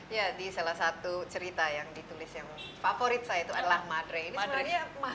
ya di salah satu cerita yang ditulis yang favorit saya itu adalah madre ini sebenarnya